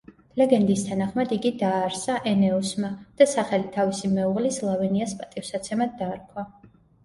ლეგენდის თანახმად იგი დააარსა ენეოსმა და სახელი თავისი მეუღლის ლავინიას პატივსაცემად დაარქვა.